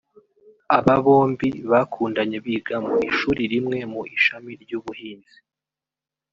Aba bombi bakundanye biga mu ishuri rimwe mu ishami ry’ubuhinzi